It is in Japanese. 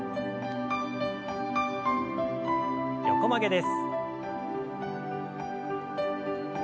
横曲げです。